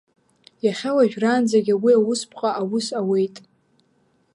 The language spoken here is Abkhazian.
Иахьа уажәраанӡагьы уи Аусԥҟа аус ауеит.